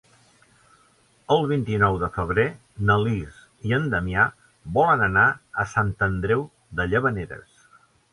El vint-i-nou de febrer na Lis i en Damià volen anar a Sant Andreu de Llavaneres.